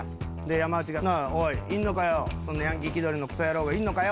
山内が「おいいんのかよそんなヤンキー気取りのクソ野郎がいんのかよ！」。